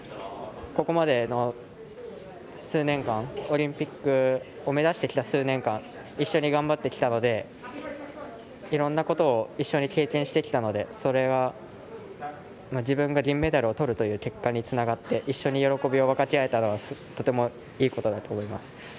ここまでの数年間オリンピックを目指してきた数年間一緒に頑張ってきたのでいろんなことを一緒に経験してきたのでそれは、自分が銀メダルをとるという結果につながって一緒に喜びを分かち合えたのはとても、いいことだと思います。